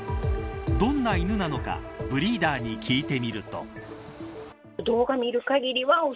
どんな犬なのかブリーダーに聞いてみると。